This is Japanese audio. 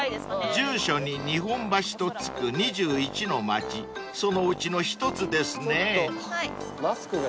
［住所に日本橋と付く２１の町そのうちの一つですね］